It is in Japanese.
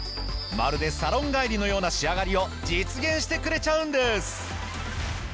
まるでサロン帰りのような仕上がりを実現してくれちゃうんです！